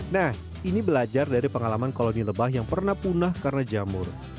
nah ini belajar dari pengalaman koloni lebah yang pernah punah karena jamur